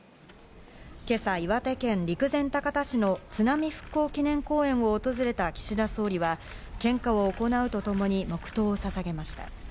今朝、岩手県陸前高田市の津波復興祈念公園を訪れた岸田総理は、献花を行うとともに黙祷をささげました。